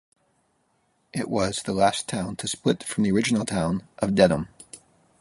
It was the last town to split from the original town of Dedham.